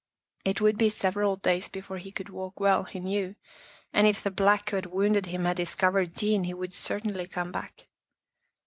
It would be several days before he could walk well, he knew, and if the Black who had wounded him had discovered Jean he would certainly come back.